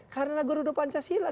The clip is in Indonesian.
karena nagarudo pancasila